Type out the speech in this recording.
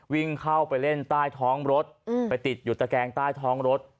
วิ่งเข้าไปเล่นใต้ท้องรถไปติดอยู่ตะแกงใต้ท้องรถ